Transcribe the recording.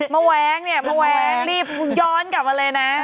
มาแว๊งมาแว๊งรีบย้อนกลับมาเลยนะ